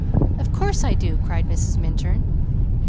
"Of course I do!" cried Mrs. Minturn.